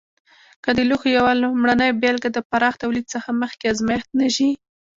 که د لوښو یوه لومړنۍ بېلګه د پراخ تولید څخه مخکې ازمېښت نه شي.